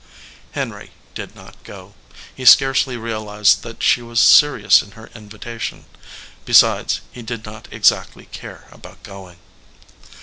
Henry did not go. He scarcely realized that she was serious in her invitation; besides, he did not yet exactly care about going.